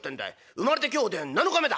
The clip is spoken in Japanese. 生まれて今日で７日目だ」。